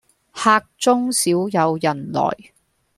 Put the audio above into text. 客中少有人來，